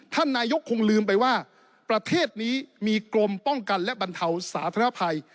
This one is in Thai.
ท่านนายกคงลืมไปว่าประเทศนี้มีกรมป้องกันและบรรเทาสาธารณภัย